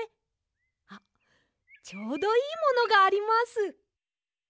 あっちょうどいいものがあります。